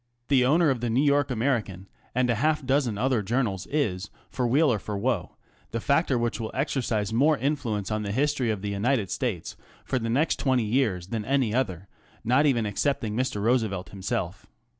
The owner of the New Yot American and half a dozen other journals is for we, or for woe the factor which will exercise moi influence on the history of the United States for tl next twenty years than any other, not even exceptii Mr. Roosevelt himself.